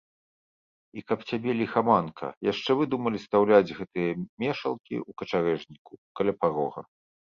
І каб цябе ліхаманка, яшчэ выдумалі стаўляць гэтыя мешалкі ў качарэжніку, каля парога.